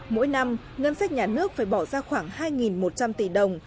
mỗi năm ngân sách nhà nước phải bỏ ra khoảng hai một trăm linh tỷ đồng